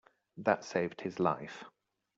That saved his life.